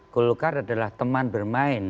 golkar adalah teman bermain